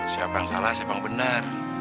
siapa yang salah siapa yang benar